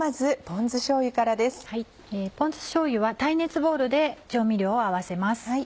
ポン酢しょうゆは耐熱ボウルで調味料を合わせます。